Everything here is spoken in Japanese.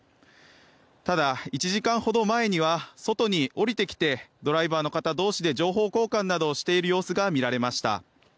ただ、１時間ほど前には外に降りてきてドライバーの方同士で情報交換などをしている様子が見られました。